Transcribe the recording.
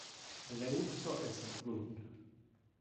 Le urso es brun.